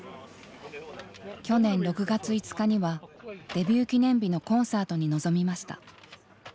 去年６月５日にはデビュー記念日のコンサートに臨みました。